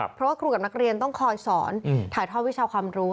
เพราะว่าครูกับนักเรียนต้องคอยสอนถ่ายทอดวิชาความรู้